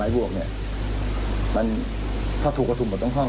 ประถุมกับตั้งห้อง